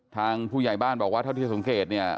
ทางผู้ใหญ่บ้านบอกว่าเท่าที่สังเกตเนี่ย